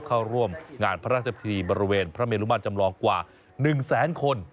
เข้าร่วมงานพระราชพิธีบริเวณพระเมลุมาตรจำลองกว่า๑แสนคน